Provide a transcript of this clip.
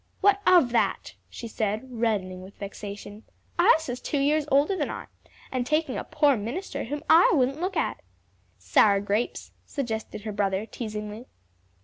"What of that?" she said, reddening with vexation. "Isa's two years older than I, and taking a poor minister whom I wouldn't look at." "Sour grapes," suggested her brother, teasingly.